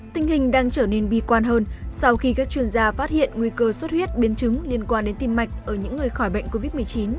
tình hình đang trở nên bi quan hơn sau khi các chuyên gia phát hiện nguy cơ sốt huyết biến chứng liên quan đến tim mạch ở những người khỏi bệnh covid một mươi chín